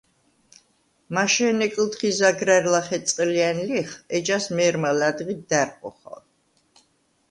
მაშე̄ნე კჷლთხი ზაგრა̈რ ლახე წყჷლჲა̈ნ ლიხ, ეჯას მე̄რმა ლა̈დღი და̈რ ხოხა.